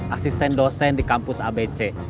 asisten dosen di kampus abc